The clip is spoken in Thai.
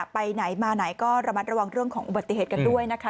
ไปไหนมาไหนก็ระมัดระวังเรื่องของอุบัติเหตุกันด้วยนะคะ